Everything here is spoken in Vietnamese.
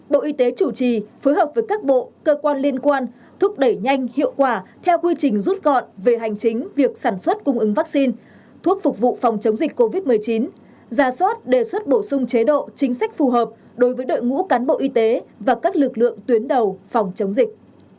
bộ y tế chủ trì phối hợp với các bộ cơ quan liên quan thúc đẩy nhanh hiệu quả theo quy trình rút gọn về hành chính việc sản xuất cung ứng vaccine thuốc phục vụ phòng chống dịch covid một mươi chín ra soát đề xuất bổ sung chế độ chính sách phù hợp đối với đội ngũ cán bộ y tế và các lực lượng tuyến đầu phòng chống dịch